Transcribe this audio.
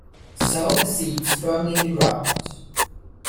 Sow the seeds firmly in the ground.